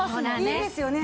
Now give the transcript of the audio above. いいですよね。